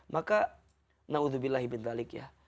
maka naudzubillah bintalik